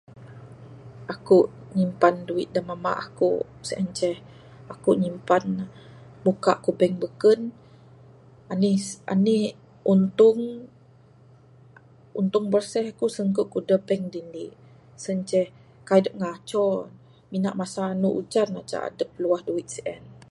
Aku nyimpan duit da mamba aku sien ceh, aku nyimpan ne, buka ku bank beken, anih anih untung, untung bersih ku, singke ku da bank dini. Sen ceh kaik adep ngaco ne, mina masa anu ujan aja adep piluah duit sien.